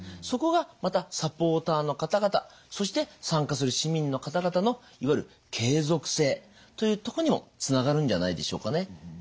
そこがまたサポーターの方々そして参加する市民の方々のいわゆる継続性というとこにもつながるんじゃないでしょうかね。